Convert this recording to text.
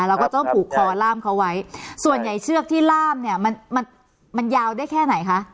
เราก็ต้องผูกคอล่ามเขาไว้ส่วนใหญ่เชือกที่ล่ามเนี่ยมันมันยาวได้แค่ไหนคะ